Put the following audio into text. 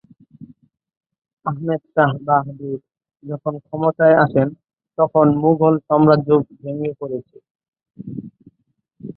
আহমেদ শাহ বাহাদুর যখন ক্ষমতায় আসেন, তখন মুঘল সাম্রাজ্য ভেঙ্গে পড়ছে।